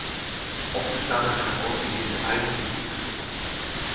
Oft ist damit eine ausgedehnte Reisetätigkeit verbunden.